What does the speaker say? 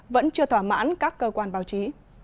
vẫn chưa thỏa mãn các cơ quan báo chí